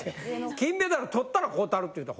金メダルとったら買うたるって言ったら。